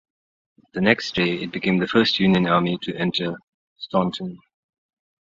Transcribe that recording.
The next day, it became the first Union army to enter Staunton.